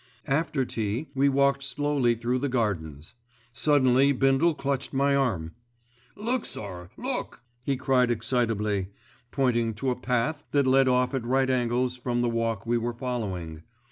After tea we walked slowly through the Gardens. Suddenly Bindle clutched my arm. "Look, sir! Look!" he cried excitably, pointing to a path that led off at right angles from the walk we were following.